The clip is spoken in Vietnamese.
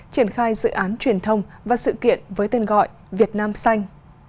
triển khai dự án truyền thông và sự kiện với tên gọi việt nam xanh